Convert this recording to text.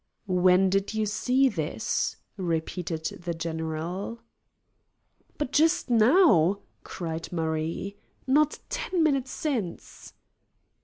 "When did you see this?" repeated the general. "But just now," cried Marie; "not ten minutes since."